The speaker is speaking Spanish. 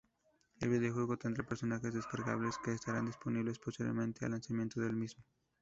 El videojuego tendrá personajes descargables que estarán disponibles posteriormente al lanzamiento del mismo.